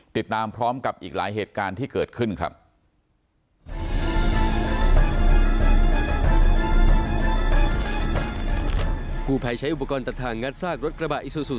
ติดตามพร้อมกับอีกหลายเหตุการณ์ที่เกิดขึ้นครับ